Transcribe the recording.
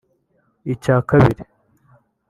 Icya Kabiri